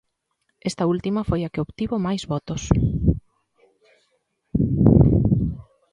Esta última foi a que obtivo máis votos.